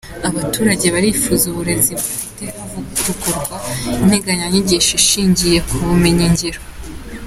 Abaturage barifuza uburezi bufite havugururwa integanyanyigisho ishingiye ku bumenyi ngiro.